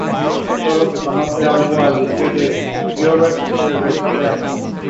Rector Rev.